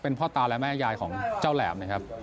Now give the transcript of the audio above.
พ่อตาและแม่ยายของเจ้าแหลมนะครับ